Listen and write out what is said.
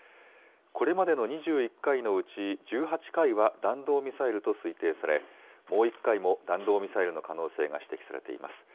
これまでの２１回のうち、１８回は弾道ミサイルと推定され、もう１回も、弾道ミサイルの可能性が指摘されています。